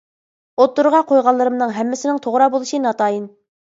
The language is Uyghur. ئوتتۇرىغا قويغانلىرىمنىڭ ھەممىسىنىڭ توغرا بولۇشى ناتايىن.